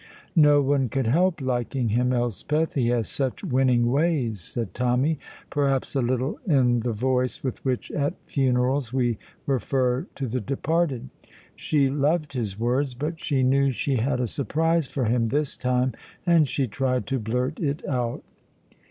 "No one could help liking him, Elspeth, he has such winning ways," said Tommy, perhaps a little in the voice with which at funerals we refer to the departed. She loved his words, but she knew she had a surprise for him this time, and she tried to blurt it out.